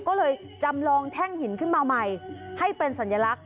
ก็เลยจำลองแท่งหินขึ้นมาใหม่ให้เป็นสัญลักษณ